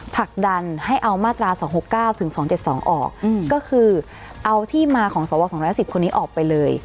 ผลักดันให้เอามาตรา๒๖๙ถึง๒๗๒ออกก็คือเอาที่มาของสว๒๑๐คนนี้ออกไปเลย